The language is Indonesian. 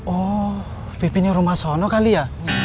oh vivian yang rumah sono kali ya